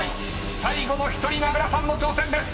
［最後の１人名倉さんの挑戦です］